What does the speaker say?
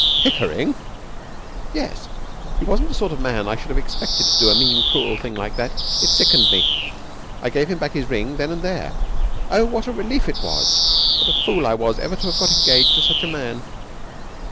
'Pickering!' 'Yes. He wasn't the sort of man I should have expected to do a mean, cruel thing like that. It sickened me. I gave him back his ring then and there. Oh, what a relief it was! What a fool I was ever to have got engaged to such a man.'